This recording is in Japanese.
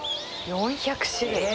４００種類。